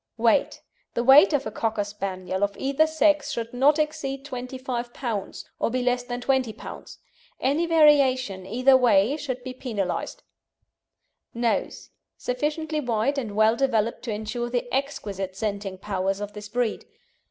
WEIGHT The weight of a Cocker Spaniel of either sex should not exceed 25 lb., or be less than 20 lb. Any variation either way should be penalised. NOSE Sufficiently wide and well developed to ensure the exquisite scenting powers of this breed.